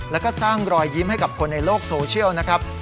แล้วก็สร้างรอยยิ้มให้กับคนในโลกโซเชียลนะครับ